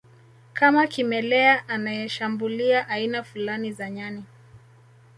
kama kimelea anayeshambulia aina fulani za nyani